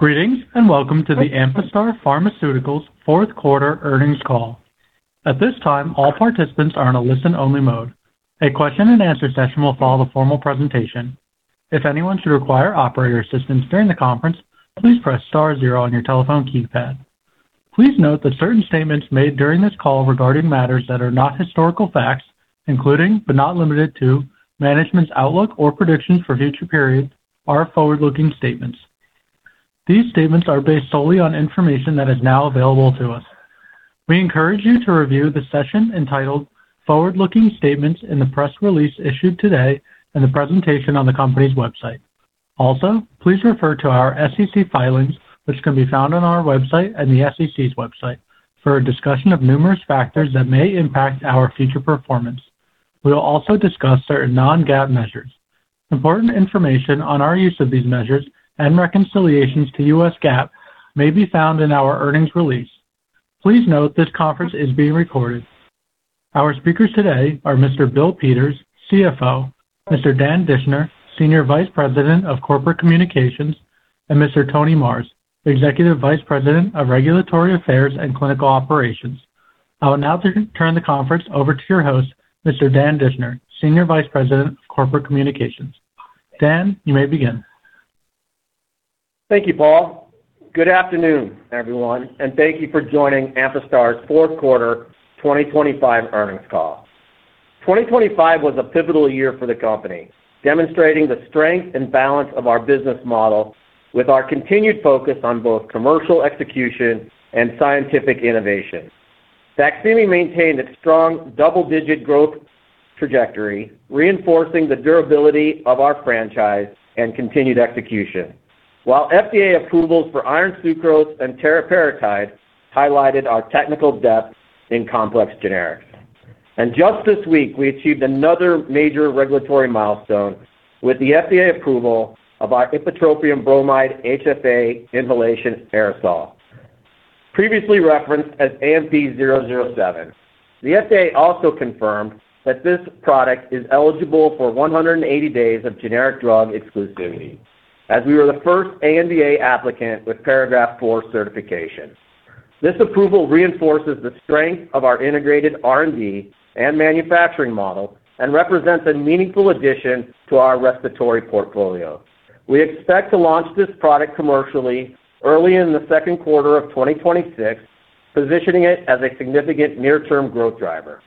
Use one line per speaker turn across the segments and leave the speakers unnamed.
Greetings, and welcome to the Amphastar Pharmaceuticals fourth quarter earnings call. At this time, all participants are in a listen-only mode. A question-and-answer session will follow the formal presentation. If anyone should require operator assistance during the conference, please press star zero on your telephone keypad. Please note that certain statements made during this call regarding matters that are not historical facts, including but not limited to management's outlook or predictions for future periods, are forward-looking statements. These statements are based solely on information that is now available to us. We encourage you to review the session entitled Forward-Looking Statements in the press release issued today and the presentation on the company's website. Also, please refer to our SEC filings, which can be found on our website and the SEC's website, for a discussion of numerous factors that may impact our future performance. We will also discuss certain non-GAAP measures. Important information on our use of these measures and reconciliations to U.S. GAAP may be found in our earnings release. Please note this conference is being recorded. Our speakers today are Mr. Bill Peters, CFO, Mr. Dan Dischner, Senior Vice President of Corporate Communications, and Mr. Tony Marrs, Executive Vice President of Regulatory Affairs and Clinical Operations. I will now turn the conference over to your host, Mr. Dan Dischner, Senior Vice President of Corporate Communications. Dan, you may begin.
Thank you, Paul. Good afternoon, everyone, and thank you for joining Amphastar's fourth quarter 2025 earnings call. 2025 was a pivotal year for the company, demonstrating the strength and balance of our business model with our continued focus on both commercial execution and scientific innovation. BAQSIMI maintained its strong double-digit growth trajectory, reinforcing the durability of our franchise and continued execution. While FDA approvals for iron sucrose and teriparatide highlighted our technical depth in complex generics. Just this week, we achieved another major regulatory milestone with the FDA approval of our Ipratropium Bromide HFA Inhalation Aerosol. Previously referenced as AMP-007, the FDA also confirmed that this product is eligible for 180 days of generic drug exclusivity as we were the first ANDA applicant with Paragraph IV certification. This approval reinforces the strength of our integrated R&D and manufacturing model and represents a meaningful addition to our respiratory portfolio. We expect to launch this product commercially early in the second quarter of 2026, positioning it as a significant near-term growth driver.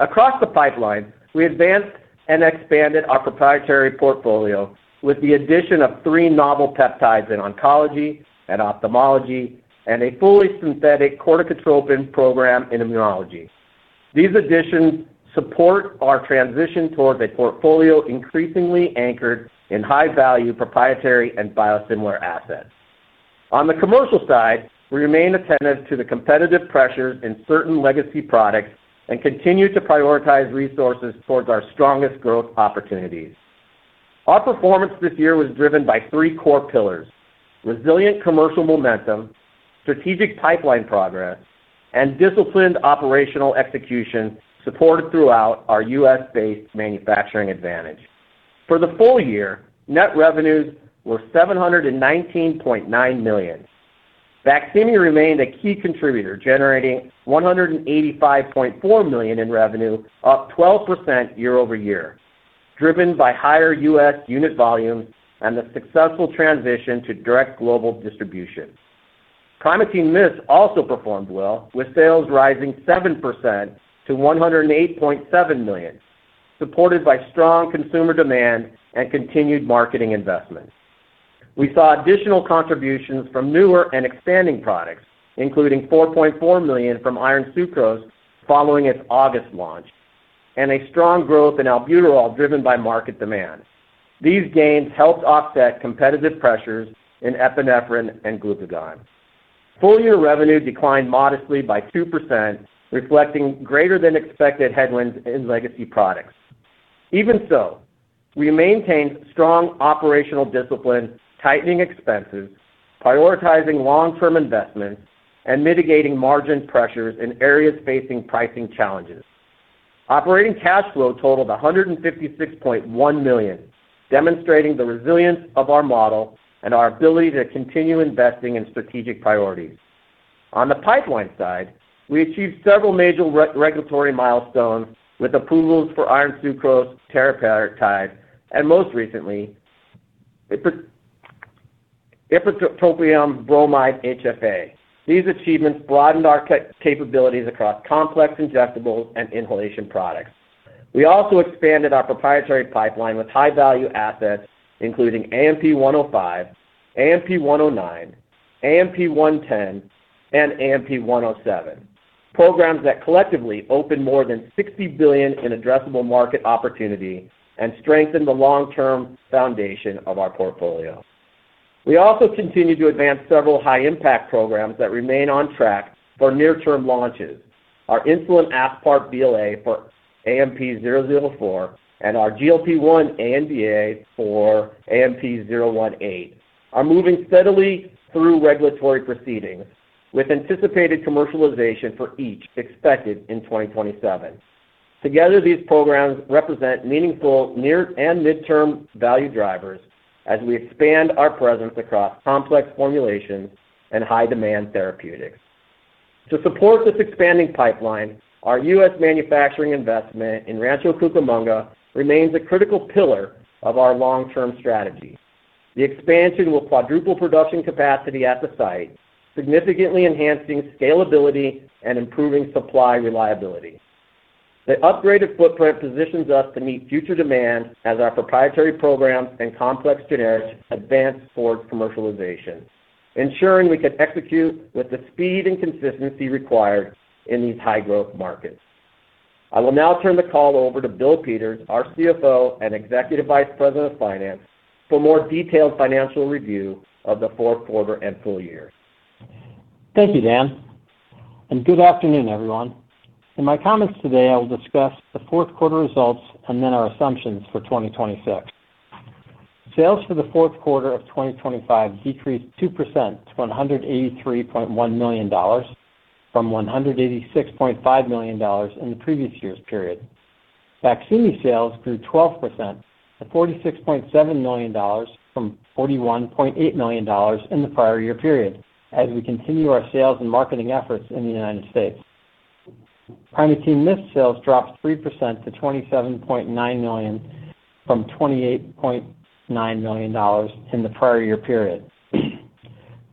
Across the pipeline, we advanced and expanded our proprietary portfolio with the addition of three novel peptides in oncology and ophthalmology and a fully synthetic corticotropin program in immunology. These additions support our transition towards a portfolio increasingly anchored in high-value proprietary and biosimilar assets. On the commercial side, we remain attentive to the competitive pressures in certain legacy products and continue to prioritize resources towards our strongest growth opportunities. Our performance this year was driven by three core pillars: resilient commercial momentum, strategic pipeline progress, and disciplined operational execution supported throughout our U.S.-based manufacturing advantage. For the full year, net revenues were $719.9 million. BAQSIMI remained a key contributor, generating $185.4 million in revenue, up 12% year-over-year, driven by higher U.S. unit volumes and the successful transition to direct global distribution. Primatene MIST also performed well, with sales rising 7% to $108.7 million, supported by strong consumer demand and continued marketing investments. We saw additional contributions from newer and expanding products, including $4.4 million from iron sucrose following its August launch and a strong growth in albuterol driven by market demand. These gains helped offset competitive pressures in epinephrine and glucagon. Full-year revenue declined modestly by 2%, reflecting greater than expected headwinds in legacy products. Even so, we maintained strong operational discipline, tightening expenses, prioritizing long-term investments, and mitigating margin pressures in areas facing pricing challenges. Operating cash flow totaled $156.1 million, demonstrating the resilience of our model and our ability to continue investing in strategic priorities. On the pipeline side, we achieved several major regulatory milestones with approvals for iron sucrose, teriparatide, and most recently, Ipratropium Bromide HFA. These achievements broadened our capabilities across complex injectables and inhalation products. We also expanded our proprietary pipeline with high-value assets, including AMP-105, AMP-109, AMP-110, and AMP-107, programs that collectively open more than $60 billion in addressable market opportunity and strengthen the long-term foundation of our portfolio. We also continue to advance several high-impact programs that remain on track for near-term launches. Our insulin aspart BLA for AMP-004 and our GLP-1 ANDA for AMP-018 are moving steadily through regulatory proceedings with anticipated commercialization for each expected in 2027. Together, these programs represent meaningful near and midterm value drivers as we expand our presence across complex formulations and high-demand therapeutics. To support this expanding pipeline, our U.S. manufacturing investment in Rancho Cucamonga remains a critical pillar of our long-term strategy. The expansion will quadruple production capacity at the site, significantly enhancing scalability and improving supply reliability. The upgraded footprint positions us to meet future demand as our proprietary programs and complex generics advance towards commercialization, ensuring we can execute with the speed and consistency required in these high-growth markets. I will now turn the call over to Bill Peters, our CFO and Executive Vice President of Finance, for more detailed financial review of the fourth quarter and full year.
Thank you, Dan, and good afternoon, everyone. In my comments today, I will discuss the fourth quarter results and then our assumptions for 2026. Sales for the fourth quarter of 2025 decreased 2% to $183.1 million from $186.5 million in the previous year's period. BAQSIMI sales grew 12% to $46.7 million from $41.8 million in the prior year period as we continue our sales and marketing efforts in the United States. Primatene MIST sales dropped 3% to $27.9 million from $28.9 million in the prior year period.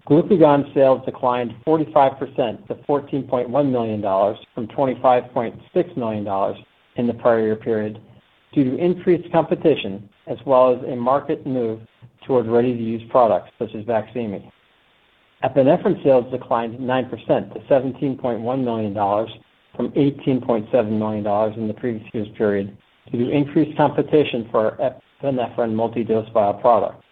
Glucagon sales declined 45% to $14.1 million from $25.6 million in the prior year period due to increased competition as well as a market move toward ready-to-use products such as BAQSIMI. Epinephrine sales declined 9% to $17.1 million from $18.7 million in the previous year's period due to increased competition for our epinephrine multi-dose vial products.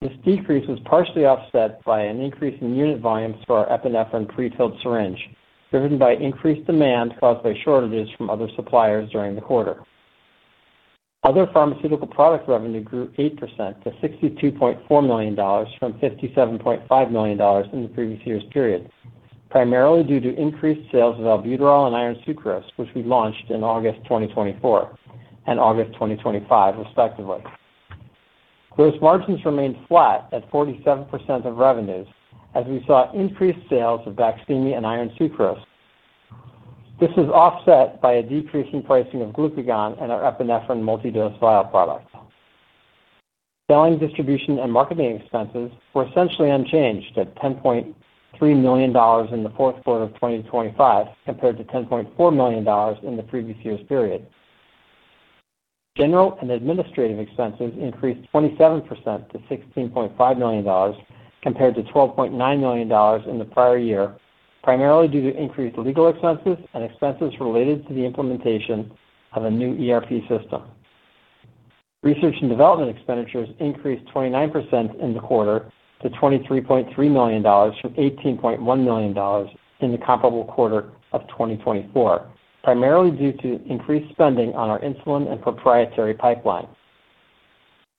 This decrease was partially offset by an increase in unit volumes for our epinephrine pre-filled syringe, driven by increased demand caused by shortages from other suppliers during the quarter. Other pharmaceutical product revenue grew 8% to $62.4 million from $57.5 million in the previous year's period, primarily due to increased sales of albuterol and iron sucrose, which we launched in August 2024 and August 2025, respectively. Gross margins remained flat at 47% of revenues as we saw increased sales of BAQSIMI and iron sucrose. This is offset by a decrease in pricing of glucagon and our epinephrine multi-dose vial products. Selling, distribution, and marketing expenses were essentially unchanged at $10.3 million in the fourth quarter of 2025 compared to $10.4 million in the previous year's period. General and administrative expenses increased 27% to $16.5 million compared to $12.9 million in the prior year, primarily due to increased legal expenses and expenses related to the implementation of a new ERP system. Research and development expenditures increased 29% in the quarter to $23.3 million from $18.1 million in the comparable quarter of 2024, primarily due to increased spending on our insulin and proprietary pipeline.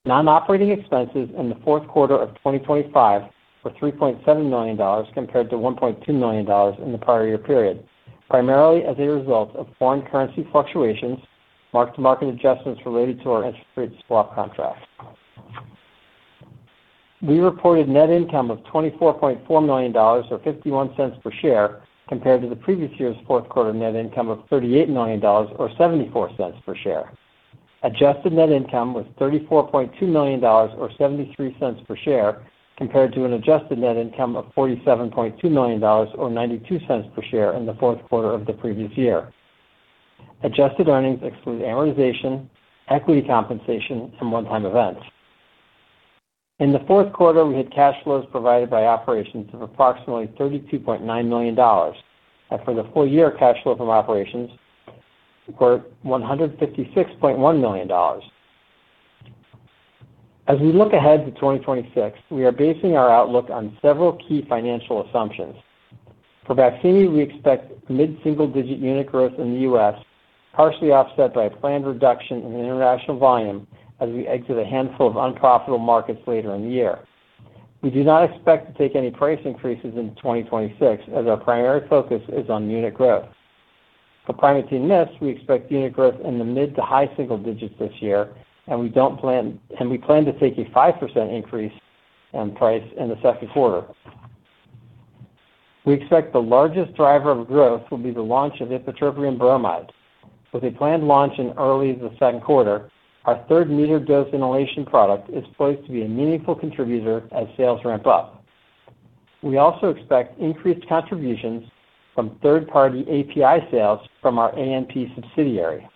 Non-operating expenses in the fourth quarter of 2025 were $3.7 million compared to $1.2 million in the prior year period, primarily as a result of foreign currency fluctuations, mark-to-market adjustments related to our interest rate swap contract. We reported net income of $24.4 million, or $0.51 per share, compared to the previous year's fourth quarter net income of $38 million, or $0.74 per share. Adjusted net income was $34.2 million, or $0.73 per share, compared to an adjusted net income of $47.2 million, or $0.92 per share in the fourth quarter of the previous year. Adjusted earnings exclude amortization, equity compensation from one-time events. In the fourth quarter, we had cash flows provided by operations of approximately $32.9 million. For the full year, cash flow from operations were $156.1 million. As we look ahead to 2026, we are basing our outlook on several key financial assumptions. For BAQSIMI, we expect mid-single-digit unit growth in the U.S., partially offset by a planned reduction in international volume as we exit a handful of unprofitable markets later in the year. We do not expect to take any price increases in 2026 as our primary focus is on unit growth. For Primatene MIST, we expect unit growth in the mid to high single digits this year, and we plan to take a 5% increase on price in the second quarter. We expect the largest driver of growth will be the launch of Ipratropium Bromide. With a planned launch in early the second quarter, our third metered-dose inhaler product is poised to be a meaningful contributor as sales ramp up. We also expect increased contributions from third-party API sales from our ANP subsidiary.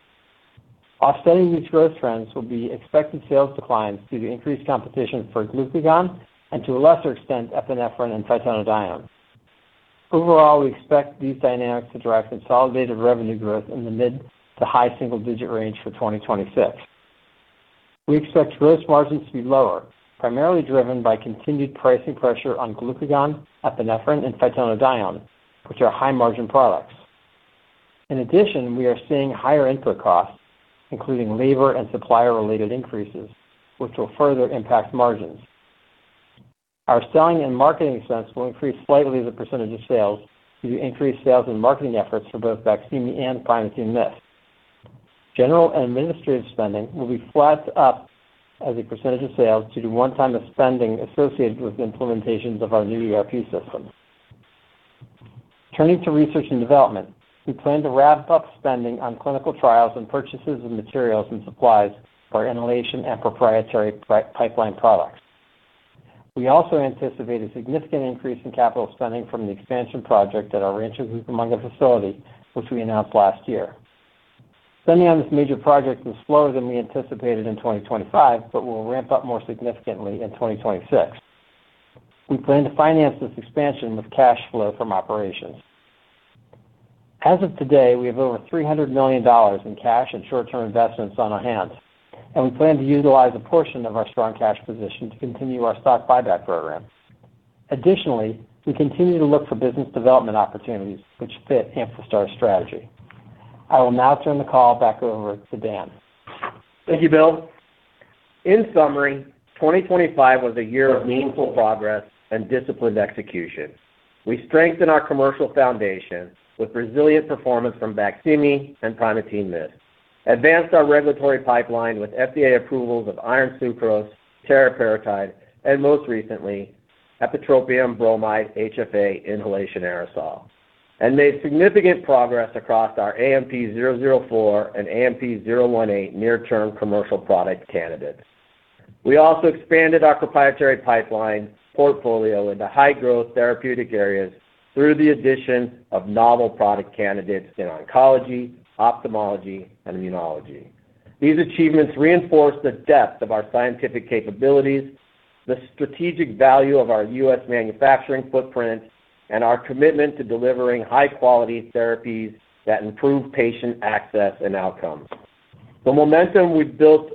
Offsetting these growth trends will be expected sales declines due to increased competition for glucagon and, to a lesser extent, epinephrine and phytonadione. Overall, we expect these dynamics to drive consolidated revenue growth in the mid-to-high single-digit range for 2026. We expect gross margins to be lower, primarily driven by continued pricing pressure on glucagon, epinephrine, and phytonadione, which are high-margin products. In addition, we are seeing higher input costs, including labor and supplier-related increases, which will further impact margins. Our selling and marketing expense will increase slightly as a percentage of sales due to increased sales and marketing efforts for both BAQSIMI and Primatene MIST. General and administrative spending will be flat up as a percentage of sales due to one-time spending associated with the implementations of our new ERP system. Turning to research and development. We plan to ramp up spending on clinical trials and purchases of materials and supplies for inhalation and proprietary pipeline products. We also anticipate a significant increase in capital spending from the expansion project at our Rancho Cucamonga facility, which we announced last year. Will ramp up more significantly in 2026. We plan to finance this expansion with cash flow from operations. As of today, we have over $300 million in cash and short-term investments on our hands. We plan to utilize a portion of our strong cash position to continue our stock buyback program. Additionally, we continue to look for business development opportunities which fit Amphastar's strategy. I will now turn the call back over to Dan.
Thank you, Bill. In summary, 2025 was a year of meaningful progress and disciplined execution. We strengthened our commercial foundation with resilient performance from BAQSIMI and Primatene MIST, advanced our regulatory pipeline with FDA approvals of iron sucrose, teriparatide, and most recently, Ipratropium Bromide HFA Inhalation Aerosol, and made significant progress across our AMP-004 and AMP-018 near-term commercial product candidates. We also expanded our proprietary pipeline portfolio into high-growth therapeutic areas through the addition of novel product candidates in oncology, ophthalmology, and immunology. These achievements reinforce the depth of our scientific capabilities, the strategic value of our U.S. manufacturing footprint, and our commitment to delivering high-quality therapies that improve patient access and outcomes. The momentum we've built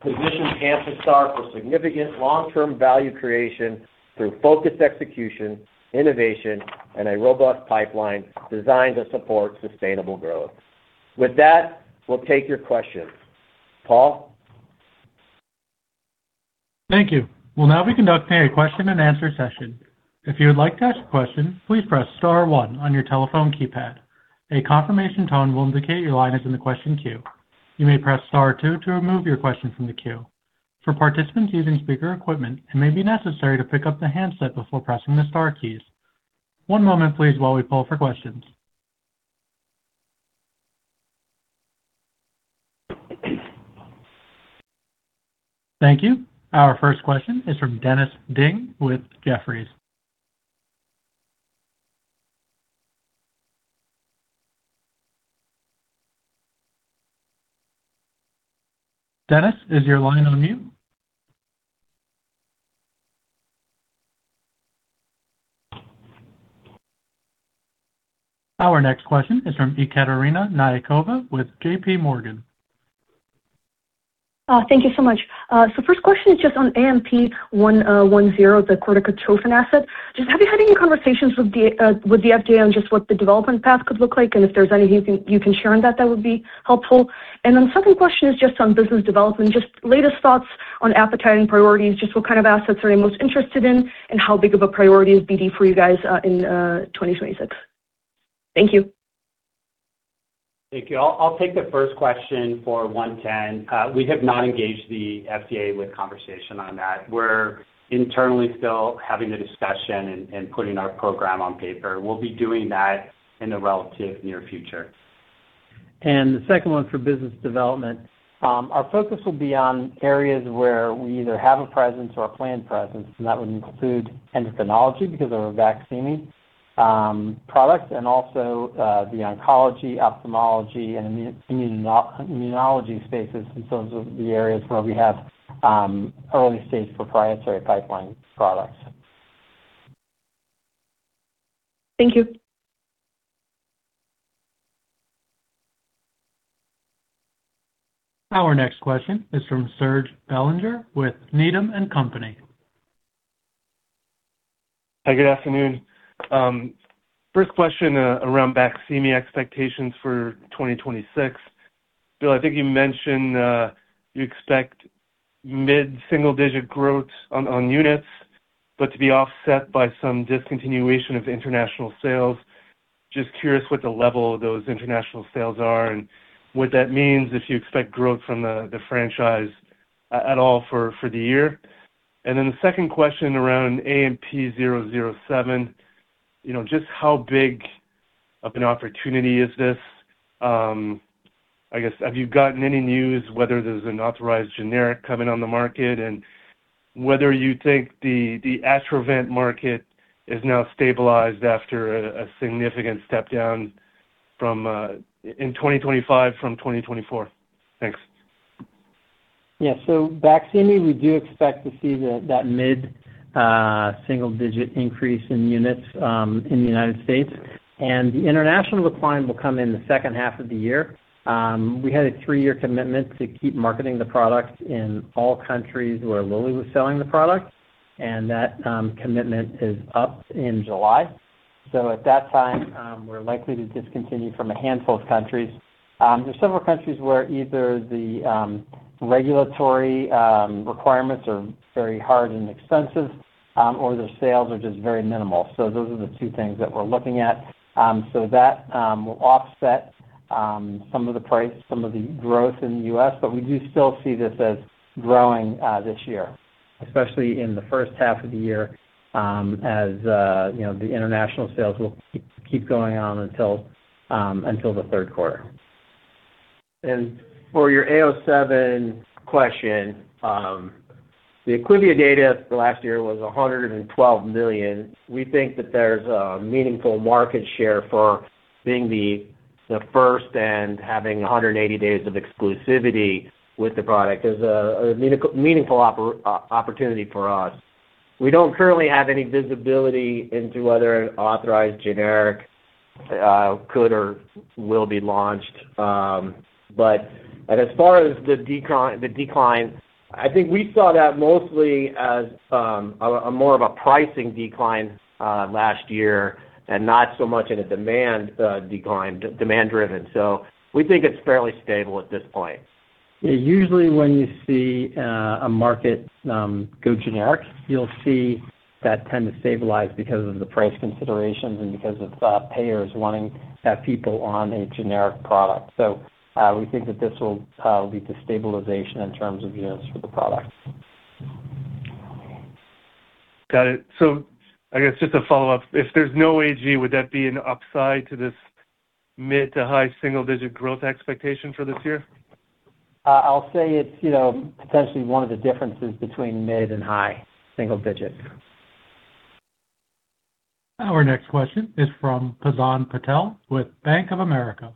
positions Amphastar for significant long-term value creation through focused execution, innovation, and a robust pipeline designed to support sustainable growth. With that, we'll take your questions. Paul?
Thank you. We'll now be conducting a question-and-answer session. If you would like to ask a question, please press star one on your telephone keypad. A confirmation tone will indicate your line is in the question queue. You may press star two to remove your question from the queue. For participants using speaker equipment, it may be necessary to pick up the handset before pressing the star keys. One moment, please, while we poll for questions. Thank you. Our first question is from Dennis Ding with Jefferies. Dennis, is your line on mute? Our next question is from Ekaterina Knyazkova with J.P. Morgan.
Thank you so much. First question is just on AMP-110, the corticotropin asset. Just have you had any conversations with the FDA on just what the development path could look like? If there's anything you can share on that would be helpful. Second question is just on business development, just latest thoughts on appetite and priorities, just what kind of assets are you most interested in and how big of a priority is BD for you guys in 2026? Thank you.
Thank you. I'll take the first question for 110. We have not engaged the FDA with conversation on that. We're internally still having a discussion and putting our program on paper. We'll be doing that in the relative near future.
The second one for business development. Our focus will be on areas where we either have a presence or a planned presence, and that would include endocrinology because of our BAQSIMI product and also the oncology, ophthalmology and immunology spaces in terms of the areas where we have early-stage proprietary pipeline products.
Thank you.
Our next question is from Serge Belanger with Needham & Company.
Hi, good afternoon. First question around BAQSIMI expectations for 2026. Bill, I think you mentioned you expect mid-single digit growth on units, but to be offset by some discontinuation of international sales. Just curious what the level of those international sales are and what that means if you expect growth from the franchise at all for the year. Then the second question around AMP-007. You know, just how big of an opportunity is this? I guess, have you gotten any news whether there's an authorized generic coming on the market and whether you think the Atrovent market is now stabilized after a significant step down in 2025 from 2024? Thanks.
Yeah. BAQSIMI, we do expect to see the, that mid-single-digit increase in units, in the United States, and the international decline will come in the second half of the year. We had a three-year commitment to keep marketing the product in all countries where Lilly was selling the product, and that commitment is up in July. At that time, we're likely to discontinue from a handful of countries.
there's several countries where either the regulatory requirements are very hard and expensive, or their sales are just very minimal. Those are the two things that we're looking at. That will offset some of the price, some of the growth in the U.S., but we do still see this as growing this year.
Especially in the first half of the year, as, you know, the international sales will keep going on until the third quarter.
For your A07 question, the Atrovent data for last year was $112 million. We think that there's a meaningful market share for being the first and having 180 days of exclusivity with the product. There's a meaningful opportunity for us. We don't currently have any visibility into whether an authorized generic could or will be launched. But as far as the decline, I think we saw that mostly as a more of a pricing decline last year and not so much in a demand decline, demand driven. We think it's fairly stable at this point.
Yeah, usually when you see a market go generic, you'll see that tend to stabilize because of the price considerations and because of payers wanting to have people on a generic product. We think that this will lead to stabilization in terms of units for the product.
Got it. I guess just a follow-up. If there's no AG, would that be an upside to this mid to high single digit growth expectation for this year?
I'll say it's, you know, potentially one of the differences between mid-single digit and high-single digit.
Our next question is from Pavan Patel with Bank of America.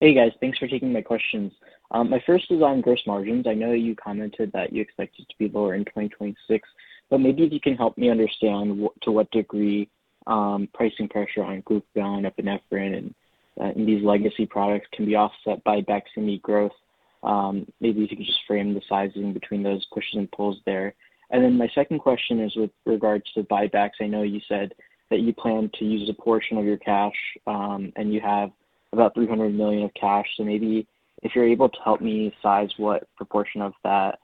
Hey, guys. Thanks for taking my questions. My first is on gross margins. I know you commented that you expect it to be lower in 2026, but maybe if you can help me understand to what degree pricing pressure on glucagon, epinephrine, and these legacy products can be offset by BAQSIMI growth. Maybe if you could just frame the sizing between those pushes and pulls there. My second question is with regards to buybacks. I know you said that you plan to use a portion of your cash, and you have about $300 million of cash. Maybe if you're able to help me size what proportion of that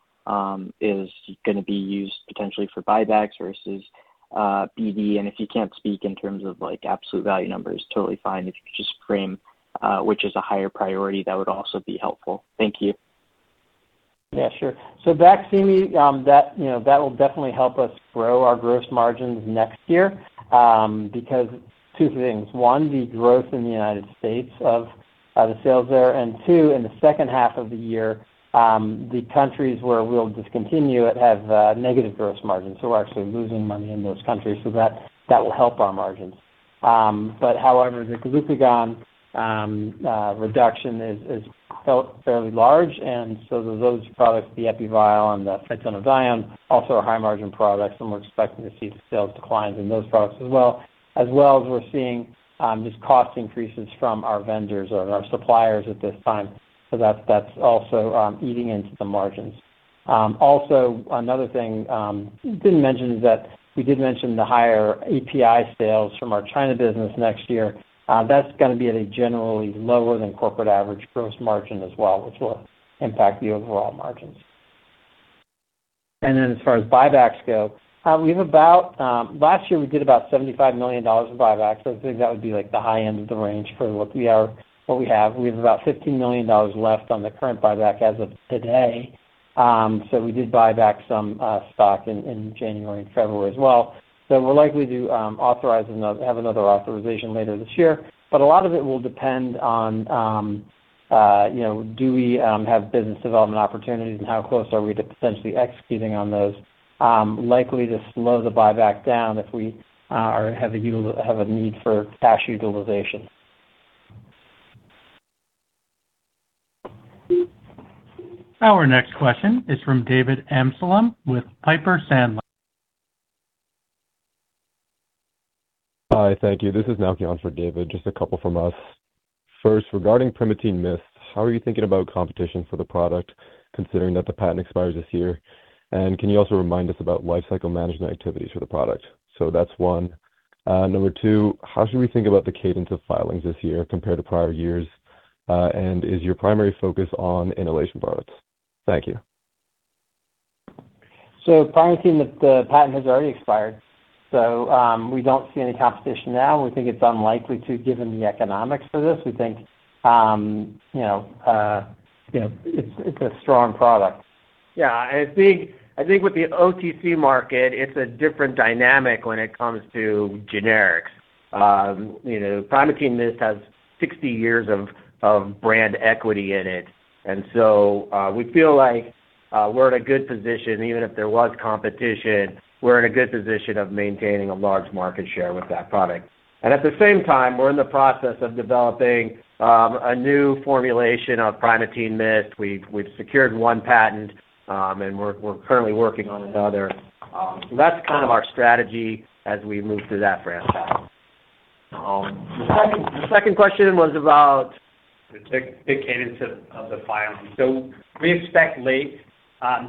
is gonna be used potentially for buybacks versus BD. If you can't speak in terms of, like, absolute value numbers, totally fine. If you could just frame, which is a higher priority, that would also be helpful. Thank you.
Yeah, sure. BAQSIMI, that, you know, that will definitely help us grow our gross margins next year, because two things. One, the growth in the United States of the sales there. Two, in the second half of the year, the countries where we'll discontinue it have negative gross margins. We're actually losing money in those countries. That will help our margins. However, the glucagon reduction is fairly large. Those products, the Epi vial and the Cortrosyn, also are high margin products, and we're expecting to see the sales declines in those products as well. As well as we're seeing just cost increases from our vendors or our suppliers at this time. That's, that's also eating into the margins. Also another thing, didn't mention is that we did mention the higher API sales from our China business next year. That's gonna be at a generally lower than corporate average gross margin as well, which will impact the overall margins. As far as buybacks go, last year, we did about $75 million in buybacks. I think that would be, like, the high end of the range for what we have. We have about $15 million left on the current buyback as of today. We did buy back some stock in January and February as well. We'll likely do have another authorization later this year. A lot of it will depend on, you know, do we have business development opportunities and how close are we to potentially executing on those. Likely to slow the buyback down if we have a need for cash utilization.
Our next question is from David Amsellem with Piper Sandler.
Hi. Thank you. This is now on for David, just a couple from us. First, regarding Primatene MIST, how are you thinking about competition for the product considering that the patent expires this year? Can you also remind us about lifecycle management activities for the product? That's one. Number two, how should we think about the cadence of filings this year compared to prior years? Is your primary focus on inhalation products? Thank you.
Primatene, the patent has already expired. We don't see any competition now, and we think it's unlikely to, given the economics for this. We think, you know, you know, it's a strong product.
I think with the OTC market, it's a different dynamic when it comes to generics. You know, Primatene MIST has 60 years of brand equity in it. We feel like we're in a good position. Even if there was competition, we're in a good position of maintaining a large market share with that product. At the same time, we're in the process of developing a new formulation of Primatene MIST. We've secured one patent, and we're currently working on another. That's kind of our strategy as we move through that brand.
The second question was about the cadence of the filings. We expect late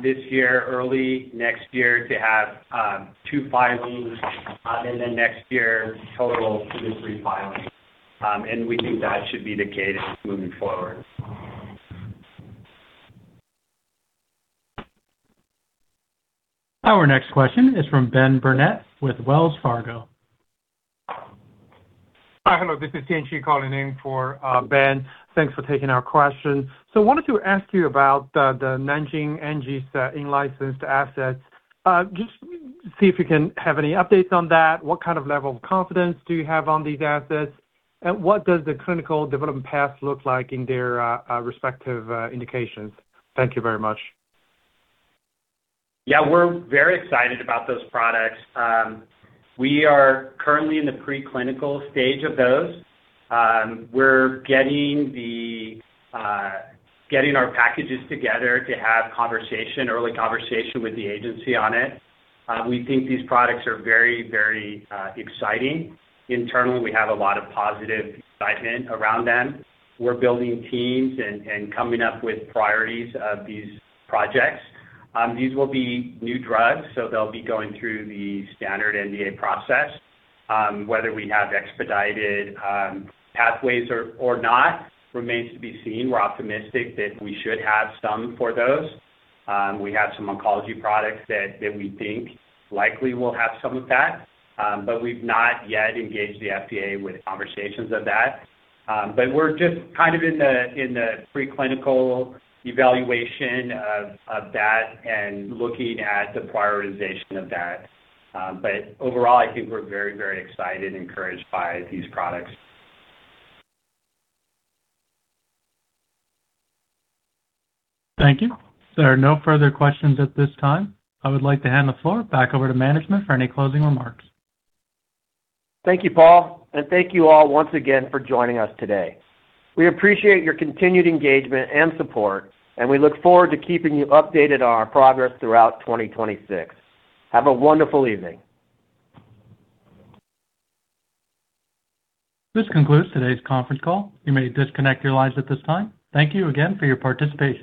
this year, early next year to have two filings, and then next year total two to three filings. We think that should be the cadence moving forward.
Our next question is from Ben Burnett with Wells Fargo.
Hi. Hello. This is Tianxi calling in for Ben. Thanks for taking our question. Wanted to ask you about the Nanjing Anji in-licensed assets. Just see if you can have any updates on that. What kind of level of confidence do you have on these assets? What does the clinical development path look like in their respective indications? Thank you very much.
Yeah, we're very excited about those products. We are currently in the preclinical stage of those. We're getting our packages together to have conversation, early conversation with the agency on it. We think these products are very exciting. Internally, we have a lot of positive excitement around them. We're building teams and coming up with priorities of these projects. These will be new drugs, they'll be going through the standard NDA process. Whether we have expedited pathways or not remains to be seen. We're optimistic that we should have some for those. We have some oncology products that we think likely will have some of that. We've not yet engaged the FDA with conversations of that. We're just kind of in the preclinical evaluation of that and looking at the prioritization of that. Overall, I think we're very excited, encouraged by these products.
Thank you. There are no further questions at this time. I would like to hand the floor back over to management for any closing remarks.
Thank you, Paul. Thank you all once again for joining us today. We appreciate your continued engagement and support, and we look forward to keeping you updated on our progress throughout 2026. Have a wonderful evening.
This concludes today's conference call. You may disconnect your lines at this time. Thank you again for your participation.